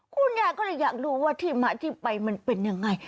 คุณยายก็เลยอยากรู้ว่าที่มาที่ไปมันเป็นยังไง